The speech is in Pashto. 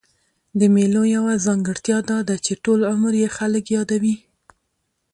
د مېلو یوه ځانګړتیا دا ده، چي ټول عمر ئې خلک يادوي.